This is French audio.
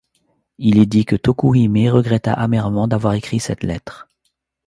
Il est dit que Tokuhime regretta amèrement d'avoir écrit cette lettre.